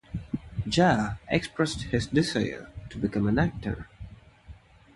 Jha expressed his desire to become an actor.